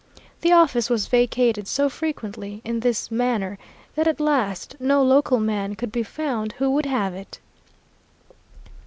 The office was vacated so frequently in this manner that at last no local man could be found who would have it.